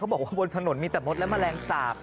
บอกว่าบนถนนมีแต่มดและแมลงสาป